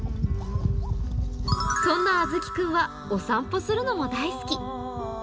そんなあずき君はお散歩するのも大好き。